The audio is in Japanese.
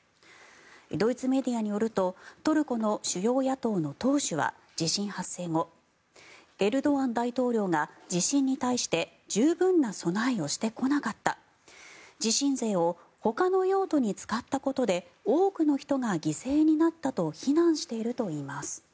ドイツメディアによるとトルコの主要野党の党首は地震発生後エルドアン大統領が地震に対して十分な備えをしてこなかった地震税をほかの用途に使ったことで多くの人が犠牲になったと非難しているといいます。